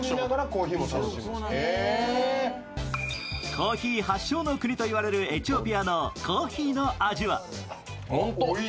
コーヒー発祥の国と言われるエチオピアのコーヒーの味は。